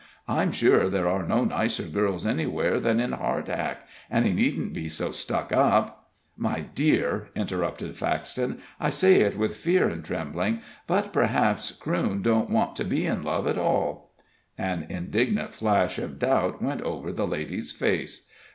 I'm sure there are no nicer girls anywhere than in Hardhack, and he needn't be so stuck up " "My dear," interrupted Faxton, "I say it with fear and trembling, but perhaps Crewne don't want to be in love at all." An indignant flash of doubt went over the lady's face.